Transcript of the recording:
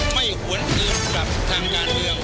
ไม่หวนอื่นกับทางงานเดียว